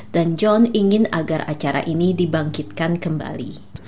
dan john ingin agar acara ini dibangkitkan kembali